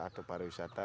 atau para wisata